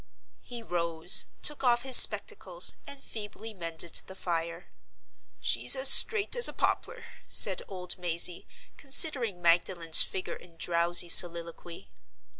He rose, took off his spectacles, and feebly mended the fire. "She's as straight as a poplar," said old Mazey, considering Magdalen's figure in drowsy soliloquy.